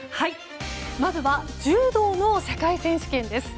まずは柔道の世界選手権です。